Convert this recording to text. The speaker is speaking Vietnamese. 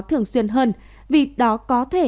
thường xuyên hơn vì đó có thể